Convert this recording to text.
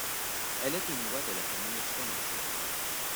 Elle est une loi de la famille exponentielle.